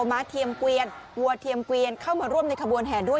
ม้าเทียมเกวียนวัวเทียมเกวียนเข้ามาร่วมในขบวนแห่ด้วย